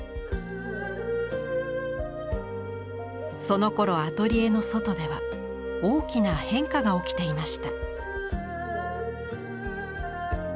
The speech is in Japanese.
そのころアトリエの外では大きな変化が起きていました。